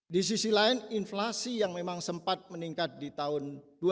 di sisi lain inflasi yang memang sempat meningkat di tahun dua ribu dua